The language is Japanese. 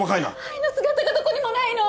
愛の姿がどこにもないの！